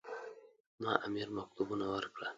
ما امیر مکتوبونه ورکړل.